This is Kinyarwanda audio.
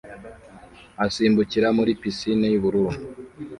asimbukira muri pisine yubururu